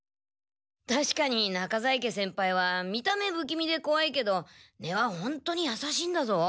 確かに中在家先輩は見た目不気味でこわいけど根は本当に優しいんだぞ。